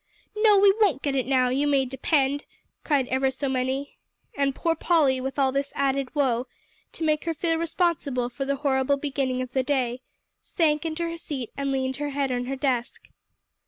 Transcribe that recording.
"No, we won't get it now, you may depend," cried ever so many. And poor Polly, with all this added woe, to make her feel responsible for the horrible beginning of the day, sank into her seat and leaned her head on her desk.